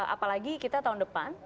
apalagi kita tahun depan